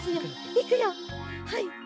いくよはい。